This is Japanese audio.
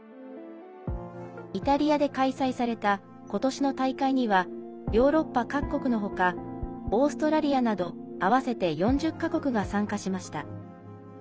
イタリアで開催されたことしの大会にはヨーロッパ各国のほかオーストラリアなど合わせて４０か国が参加しました。